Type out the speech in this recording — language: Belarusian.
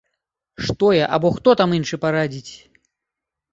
Што я або хто там іншы парадзіць!